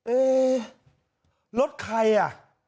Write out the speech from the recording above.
เอ๊รถใครอ่ะ